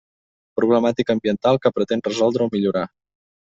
Problemàtica ambiental que pretén resoldre o millorar.